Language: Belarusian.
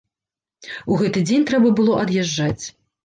У гэты дзень трэба было ад'язджаць.